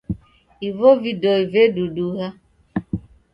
Ivo vidoi vedudugha.